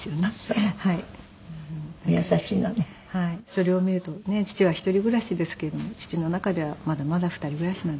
それを見るとねえ父は一人暮らしですけれども父の中ではまだまだ二人暮らしなんだなと思って。